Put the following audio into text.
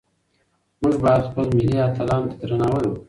موږ باید خپل ملي اتلانو ته درناوی وکړو.